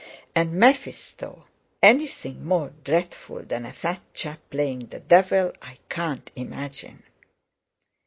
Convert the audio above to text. And Mephisto—anything more dreadful than a fat chap playing the Devil I can't imagine."